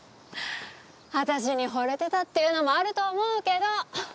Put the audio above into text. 私に惚れてたっていうのもあると思うけど。